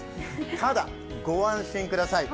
ただ、ご安心ください